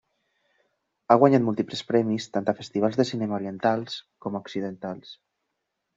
Ha guanyat múltiples premis tant a festivals de cinema orientals com occidentals.